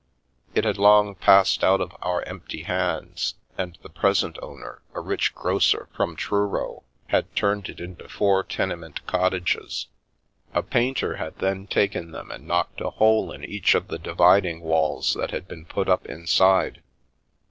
It had long passed out of our empty hands, and the present owner, a rich grocer from Truro, had turned it into four tenement cottages. 165 The Milky Way A painter had then taken them and knocked a hole in each of the dividing walls that had been put up inside.